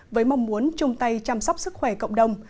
với mong muốn chung tay chăm sóc sức khỏe cộng đồng